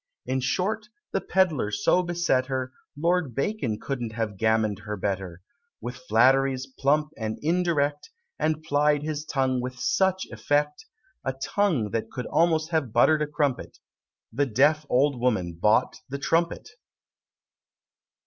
In short, the Pedlar so beset her, Lord Bacon couldn't have gammon'd her better, With flatteries plump and indirect, And plied his tongue with such effect, A tongue that could almost have butter'd a crumpet, The deaf old woman bought the Trumpet.